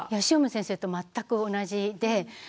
汐見先生と全く同じで。